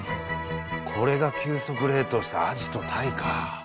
これが急速冷凍したアジとタイか。